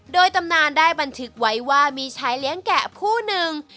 โดยตำนานได้บันทึกไว้ว่ามีชายเลี้ยงแก่ผู้หนึ่ง